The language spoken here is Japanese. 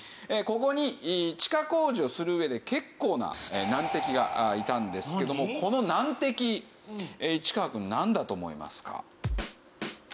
ここに地下工事をする上で結構な難敵がいたんですけどもこの難敵市川くんなんだと思いますか？